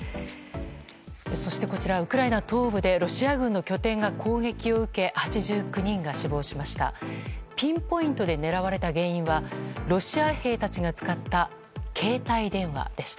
そして、ウクライナ東部でロシア軍の拠点が攻撃を受け８９人が死亡しました。